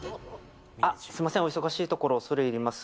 すみません、お忙しいところ恐れ入ります。